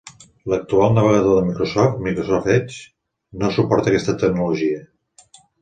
L'actual navegador de Microsoft, Microsoft Edge, no suporta aquesta tecnologia.